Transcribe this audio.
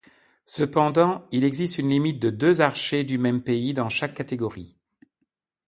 Cependant, il existe une limite de deux archers du même pays dans chaque catégories.